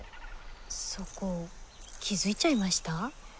そこ気付いちゃいました？